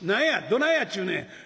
どないやっちゅうねん」。